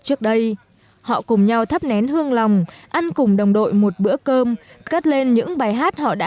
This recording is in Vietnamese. trước đây họ cùng nhau thắp nén hương lòng ăn cùng đồng đội một bữa cơm cất lên những bài hát họ đã